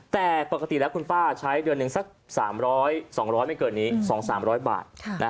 แต่ปกติแล้วคุณป้าใช้เดือนหนึ่งสัก๓๐๐๒๐๐ไม่เกินนี้๒๓๐๐บาท